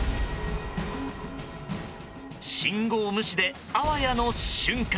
信号無視で、あわやの瞬間。